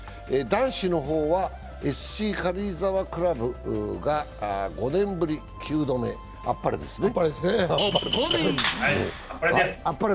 男子の方はＳＣ軽井沢クラブが５年ぶり９度目、あっぱれですね。